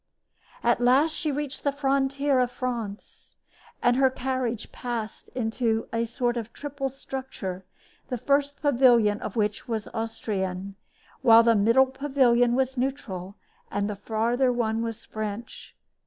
At last she reached the frontier of France, and her carriage passed into a sort of triple structure, the first pavilion of which was Austrian, while the middle pavilion was neutral, and the farther one was French.